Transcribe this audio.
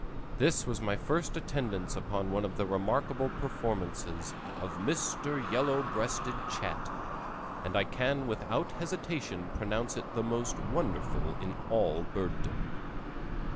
This was my first attendance upon one of the remarkable performances of Mr. Yellow Breasted Chat, and I can without hesitation pronounce it the most wonderful in all bird dom.